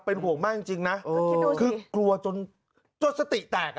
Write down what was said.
เป็นห่วงมากจริงนะคือกลัวจนจนสติแตกอ่ะ